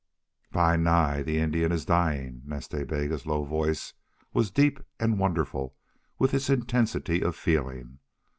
"Bi Nai, the Indian is dying!" Nas Ta Bega's low voice was deep and wonderful with its intensity of feeling.